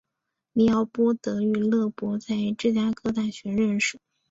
李奥波德与勒伯在芝加哥大学认识。